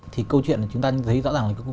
thì câu chuyện chúng ta thấy rõ ràng là